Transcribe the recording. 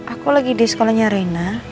aku lagi di sekolahnya reina